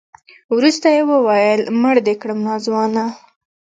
وروسته يې وويل مړ دې کړم ناځوانه.